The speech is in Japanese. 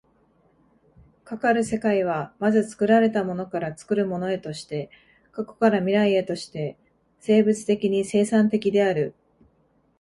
かかる世界は、まず作られたものから作るものへとして、過去から未来へとして生物的に生産的である。